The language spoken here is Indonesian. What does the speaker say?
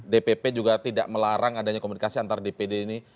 dpp juga tidak melarang adanya komunikasi antar dpd ini